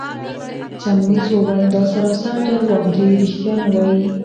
سیمونز وویل: دا سراسر درواغ دي، ریښتیا نه وایې.